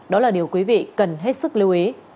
đó là điều quý vị cần hết sức lưu ý